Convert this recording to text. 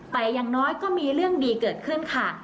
แต่อย่างน้อยก็มีเรื่องดีเกิดขึ้นค่ะ